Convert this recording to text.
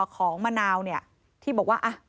ของมะนาวเนี่ยที่บอกว่า